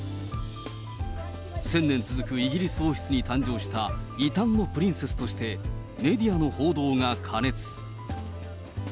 １０００年続くイギリス王室に誕生した異端のプリンセスとして、メディアの報道が過熱。